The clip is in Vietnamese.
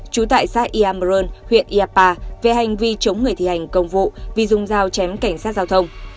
trú tại xã iamron huyện iapa về hành vi chống người thi hành công vụ vì dùng dao chém cảnh sát giao thông